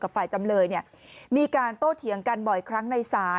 ฝ่ายจำเลยเนี่ยมีการโต้เถียงกันบ่อยครั้งในศาล